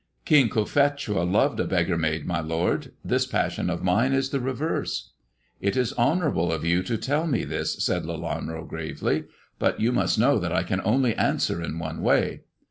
King Cophetua loved a beggar maid, my lord ; this passion of mine is the reverse." "It is honourable of you to tell me this," said Lelanro gravely. " But you must know that I can only answer in one way."